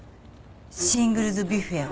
シングルズ・ビュッフェを。